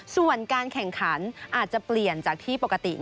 ส่วนการแข่งขันอาจจะเปลี่ยนจากที่ปกติ